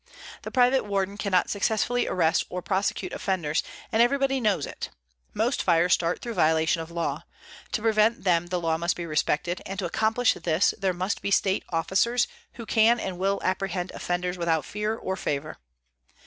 The private warden cannot successfully arrest or prosecute offenders, and everybody knows it. Most fires start through violation of law. To prevent them the law must be respected, and to accomplish this there must be state officers who can and will apprehend offenders without fear or favor.